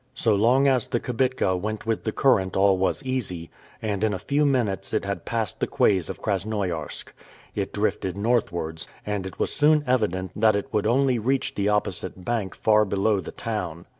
So long as the kibitka went with the current all was easy, and in a few minutes it had passed the quays of Krasnoiarsk. It drifted northwards, and it was soon evident that it would only reach the opposite bank far below the town.